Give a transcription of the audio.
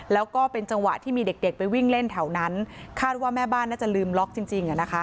แล้วก็เป็นจังหวะที่มีเด็กไปวิ่งเล่นแถวนั้นคาดว่าแม่บ้านน่าจะลืมล็อกจริง